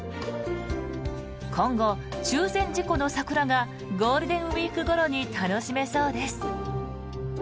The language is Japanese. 今後、中禅寺湖の桜がゴールデンウィークごろに楽しめそうです。